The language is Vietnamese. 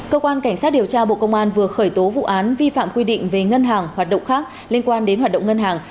cơ quan cảnh sát điều tra bộ công an vừa khởi tố vụ án vi phạm quy định về ngân hàng hoạt động khác liên quan đến hoạt động ngân hàng